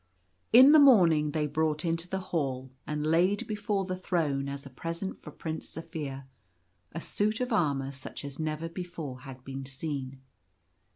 In the morning they brought into the Hall, and laid before the throne as a present for Prince Zaphir, a suit of armour such as never before had been seen.